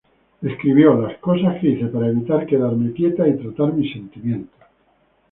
Escribió: "las cosas que hice para evitar quedarme quieta y tratar mis sentimientos.